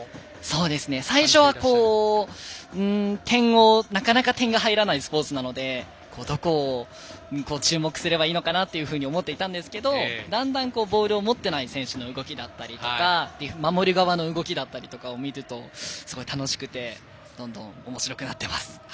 最初は、なかなか点が入らないスポーツなのでどこを注目すればいいのかなというふうに思っていたんですけどだんだんボールを持ってない選手の動きだったりとか守り側の動きだったりとかを見るとすごい楽しくてどんどんおもしろくなってます。